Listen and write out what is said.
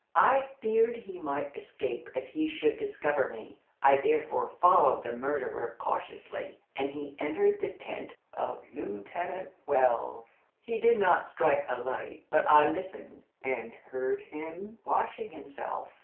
I feared he might escape if he should discover me. I therefore followed the murderer cautiously, and he entered the tent of Lieutenant Wells. He did not strike a light, but I listened, and heard him washing himself.